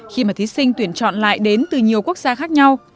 khi mà thí sinh tuyển chọn lại đến từ nhiều quốc gia khác nhau